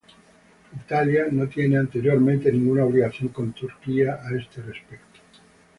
Italia no tenía anteriormente ninguna obligación con Turquía a este respecto.